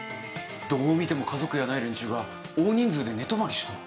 どう見ても家族やない連中が大人数で寝泊まりしとる。